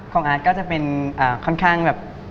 อาร์ตก็จะเป็นค่อนข้างแบบ